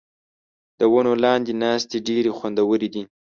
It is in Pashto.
د ونو لاندې ناستې ډېرې خوندورې دي.